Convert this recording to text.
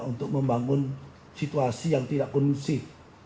untuk membangun situasi yang tidak kondusif